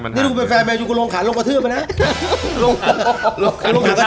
นี่ถูกเป็นแฟนเมนอยู่กับโรงขันลงกระทืบเหรอนะ